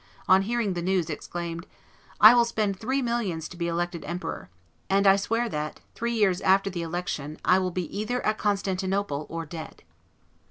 on hearing the news, exclaimed, "I will spend three millions to be elected emperor, and I swear that, three years after the election, I will be either at Constantinople or dead."